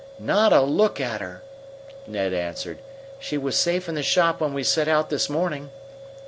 "Not a look at her," Ned answered. "She was safe in the shop when we set out this morning."